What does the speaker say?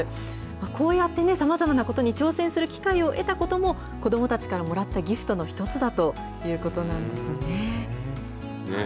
こうやって、さまざまなことに挑戦する機会を得たことも、子どもたちからもらったギフトの一つだということなんですね。